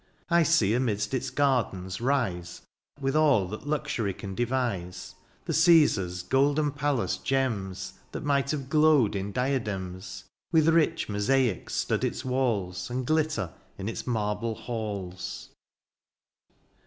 I see amid its gardens rise. With aU that luxury can devise. 66 DIONYSIUS, The Cffisars' '^ golden palace/' gems That might have glowed in diadems. With rich mosaic stud its walls. And glitter in its marble halls.